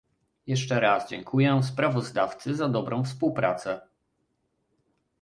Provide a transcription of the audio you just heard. Jeszcze raz dziękuje sprawozdawcy za dobrą współpracę